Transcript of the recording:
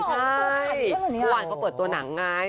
ใช่ทุกวันก็เปิดตัวหนังไง